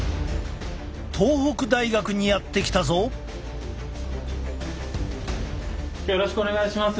東北大学にやって来たぞ！よろしくお願いします。